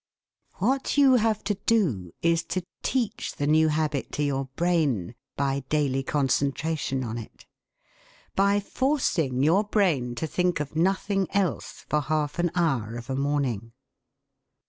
What you have to do is to teach the new habit to your brain by daily concentration on it; by forcing your brain to think of nothing else for half an hour of a morning.